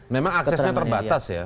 memang aksesnya terbatas ya